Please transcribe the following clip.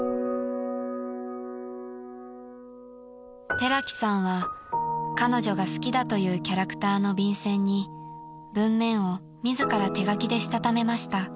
［寺木さんは彼女が好きだというキャラクターの便箋に文面を自ら手書きでしたためました］